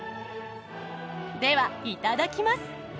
ではいただきます。